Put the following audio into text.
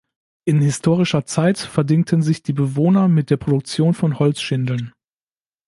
In historischer Zeit verdingten sich die Bewohner mit der Produktion von Holzschindeln.